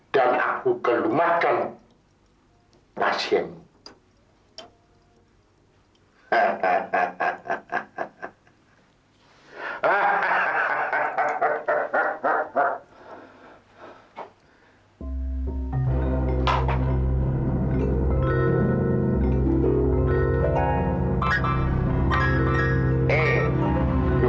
dan aku gelumatkan pasienmu